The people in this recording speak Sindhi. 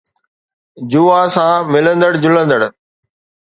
جوا سان ملندڙ جلندڙ